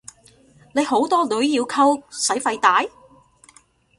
你好多女要溝使費大？